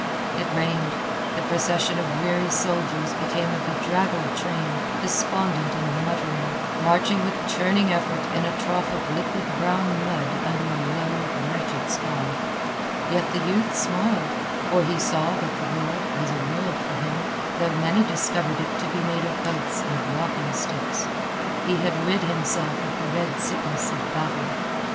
It rained. The procession of weary soldiers became a bedraggled train, despondent and muttering, marching with churning effort in a trough of liquid brown mud under a low, wretched sky. Yet the youth smiled, for he saw that the world was a world for him, though many discovered it to be made of oaths and walking sticks. He had rid himself of the red sickness of battle.